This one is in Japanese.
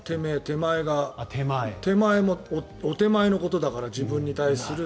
手前もお手前のことだから自分に対する。